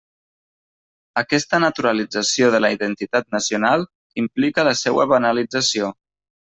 Aquesta «naturalització» de la identitat nacional implica la seua banalització.